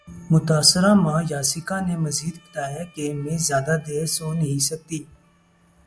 متاثرہ ماں یاسیکا نے مزید بتایا کہ میں زیادہ دیر سو نہیں سکتی